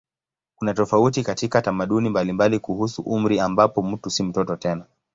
Kuna tofauti katika tamaduni mbalimbali kuhusu umri ambapo mtu si mtoto tena.